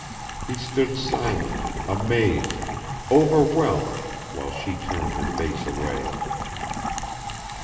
He stood silent, amazed, overwhelmed while she turned her face away.